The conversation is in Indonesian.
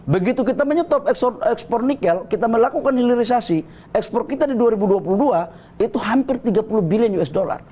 begitu kita menyetop ekspor nikel kita melakukan hilirisasi ekspor kita di dua ribu dua puluh dua itu hampir tiga puluh billion usd